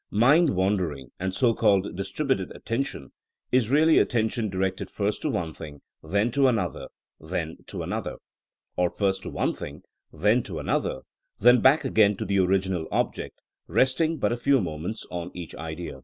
Mind wandering, and so called distributed attention, is really attention directed first to one thing, then to another, then to another ; or first to one thing, then to another, and then back again to the original object, rest ing but a few moments on each idea.